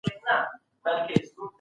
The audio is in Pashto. پيغمبر د هر چا قدر کاوه.